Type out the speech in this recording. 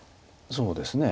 そうですね。